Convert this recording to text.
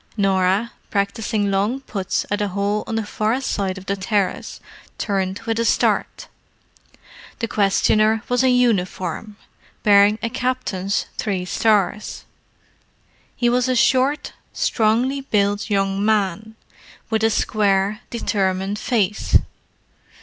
Norah, practising long putts at a hole on the far side of the terrace, turned with a start. The questioner was in uniform, bearing a captain's three stars. He was a short, strongly built young man, with a square, determined face.